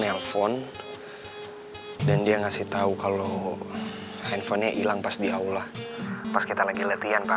telepon dan dia ngasih tahu kalau handphonenya hilang pas diaulah pas kita lagi latihan pak